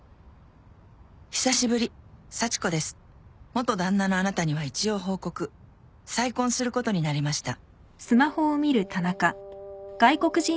元旦那のあなたには一応報告」「再婚することになりました」